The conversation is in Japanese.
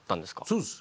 そうです。